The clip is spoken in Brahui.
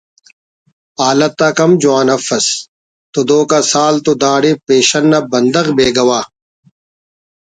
حالت آک ہم جوان افس تدوک آ سال تو داڑے پیشن نا بندغ بے گواہ